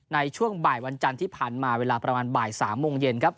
ในช่วงบ่ายวันจันทร์ที่ผ่านมาเวลาประมาณบ่าย๓โมงเย็นครับ